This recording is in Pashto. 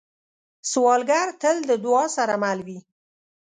سوالګر تل د دعا سره مل وي